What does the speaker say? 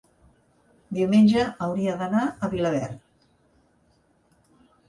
diumenge hauria d'anar a Vilaverd.